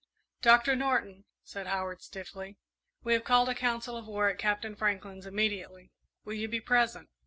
"Doctor Norton," said Howard, stiffly, "we have called a council of war at Captain Franklin's, immediately. Will you be present?"